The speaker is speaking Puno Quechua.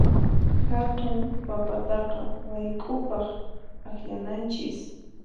Hatun papataqa wayk'upaq akllananchis.